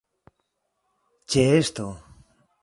ĉeesto